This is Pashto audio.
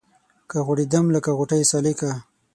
که غوړېدم لکه غوټۍ سالکه